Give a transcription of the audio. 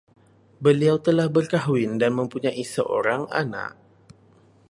Beliau telah berkahwin dan mempunyai seorang anak